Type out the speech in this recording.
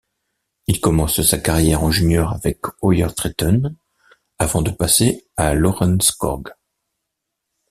Il commence sa carrière en junior avec Øyer-Tretten avant de passer à Lørenskog.